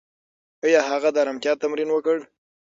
ایا هغه د ارامتیا تمرین وکړ؟